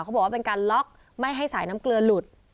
เขาบอกว่าเป็นการล็อกไม่ให้สายน้ำเกลือหลุด